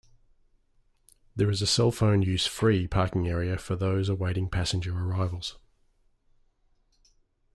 There is a cellphone-use free parking area for those awaiting passenger arrivals.